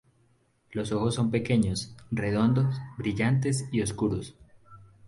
Los ojos son pequeños, redondos, brillantes y oscuros.